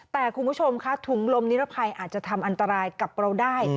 แต่คุณผู้ชมค่ะถุงลมนิรภัยอาจจะทำอันตรายกับเราได้